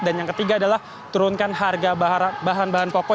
dan yang ketiga adalah turunkan harga bahan bahan pokok